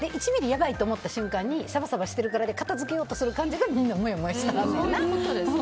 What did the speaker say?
１ｍｍやばいと思った瞬間にサバサバしてるからで片付けようとする感じがもやもやしちゃうねんな。